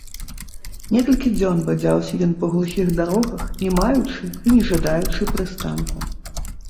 Некалькі дзён бадзяўся ён па глухіх дарогах, не маючы і не жадаючы прыстанку.